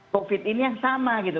covid ini yang sama gitu